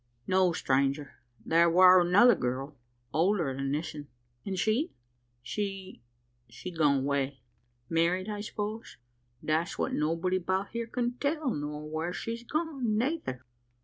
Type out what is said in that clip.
"No, stranger thar war another girl older than this 'un." "And she?" "She she's gone away." "Married, I suppose?" "That's what nobody 'bout here can tell nor whar she's gone, neyther."